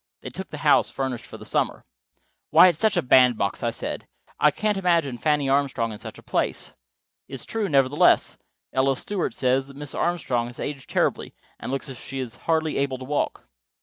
They took the house furnished for the summer." "Why, it's a bandbox," I said. "I can't imagine Fanny Armstrong in such a place." "It's true, nevertheless. Ella Stewart says Mrs. Armstrong has aged terribly, and looks as if she is hardly able to walk."